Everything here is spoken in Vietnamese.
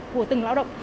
của từng lao động